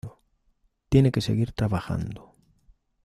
Tiene que seguir trabajando.